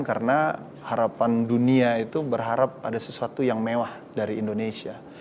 karena harapan dunia itu berharap ada sesuatu yang mewah dari indonesia